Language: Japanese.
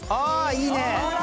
いいね！